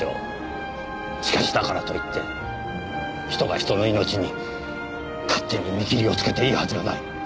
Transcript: しかしだからといって人が人の命に勝手に見切りをつけていいはずがない。